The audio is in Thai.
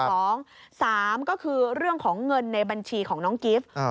สามก็คือเรื่องของเงินในบัญชีของน้องกิฟต์